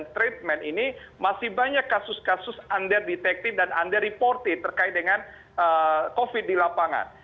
treatment ini masih banyak kasus kasus under detective dan under reported terkait dengan covid di lapangan